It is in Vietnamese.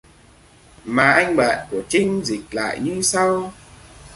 Mà anh bạn của trinh dịch lại như sau